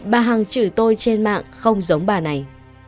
bà hằng chửi tôi trên mạng không giống bà này